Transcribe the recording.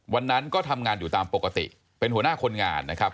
วันนั้นก็ทำงานอยู่ตามปกติเป็นหัวหน้าคนงานนะครับ